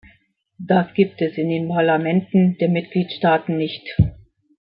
Das gibt es in den Parlamenten der Mitgliedstaaten nicht.